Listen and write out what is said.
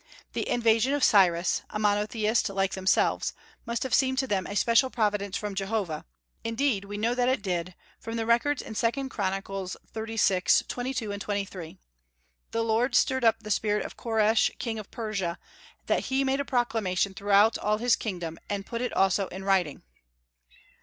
The invasion of Cyrus a monotheist like themselves must have seemed to them a special providence from Jehovah; indeed, we know that it did, from the records in II. Chronicles xxxvi. 22, 23: "The Lord stirred up the spirit of Koresh, King of Persia, that he made a proclamation throughout all his kingdom, and put it also in writing."